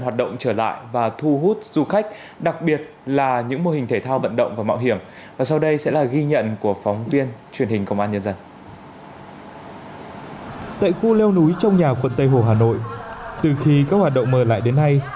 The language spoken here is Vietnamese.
tại khu leo núi trong nhà quận tây hồ hà nội từ khi các hoạt động mở lại đến nay